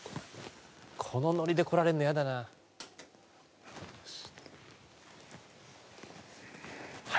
このノリで来られんの嫌だなシッ！